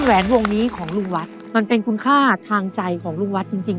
แหวนวงนี้ของลุงวัดมันเป็นคุณค่าทางใจของลุงวัดจริงจริง